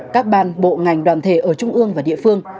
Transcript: các ban bộ ngành đoàn thể ở trung ương và địa phương